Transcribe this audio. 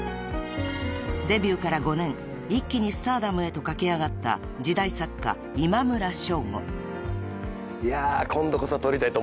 ［デビューから５年一気にスターダムへと駆け上がった時代作家今村翔吾］